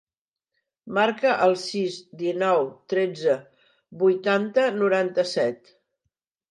Marca el sis, dinou, tretze, vuitanta, noranta-set.